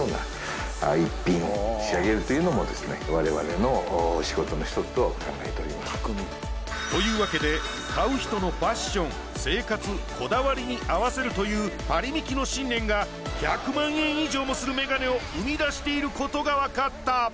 その方の要求に。というわけで買う人のファッション生活こだわりに合わせるというパリミキの信念が１００万円以上もするメガネを生み出していることがわかった。